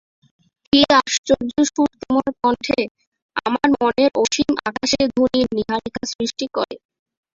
কী আশ্চর্য় সুর তোমার কণ্ঠে, আমার মনের অসীম আকাশে ধ্বনির নীহারিকা সৃষ্টি করে।